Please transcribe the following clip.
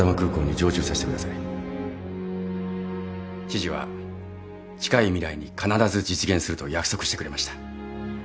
知事は近い未来に必ず実現すると約束してくれました。